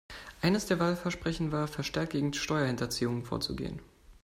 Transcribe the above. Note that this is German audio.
Eines der Wahlversprechen war, verstärkt gegen Steuerhinterziehung vorzugehen.